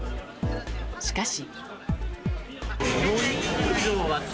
しかし。